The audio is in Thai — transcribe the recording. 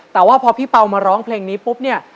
แต่ว่าพอพี่เปล่ามาร้องเพลงนี้ปุ๊บเนี่ย